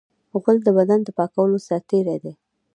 غول د بدن د پاکولو سرتېری دی.